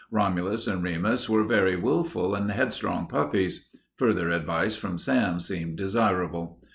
Romulus and Remus were very willful and headstrong puppies. Further advice from Sam seemed desirable.